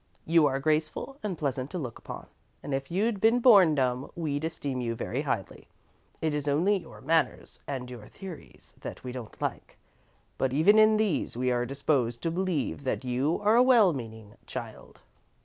You are graceful and pleasant to look upon, and if you'd been born dumb we'd esteem you very highly. It is only your manners and your theories that we don't like; but even in these we are disposed to believe that you are a well meaning child."